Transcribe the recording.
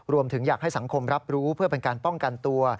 รวมถึงอยากให้สังคมรับรู้เพื่อเป็นการป้องกันตัว